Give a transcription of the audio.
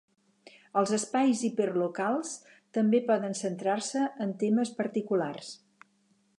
Els espais hiperlocals també poden centrar-se en temes particulars.